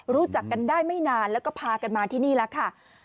รู้จักกันได้ไม่นานแล้วก็พากันมาที่นี่แล้วค่ะ